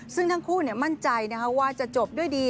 ซึ่งทั้งคู่มั่นใจว่าจะจบด้วยดี